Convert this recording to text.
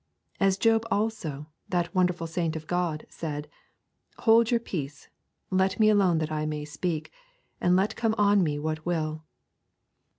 As Job also, that wonderful saint of God, said, 'Hold your peace, let me alone that I may speak, and let come on me what will.